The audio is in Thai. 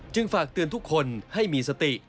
ฝากเตือนทุกคนให้มีสติ